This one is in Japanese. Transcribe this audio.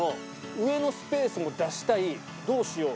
上のスペースも出したいどうしよう？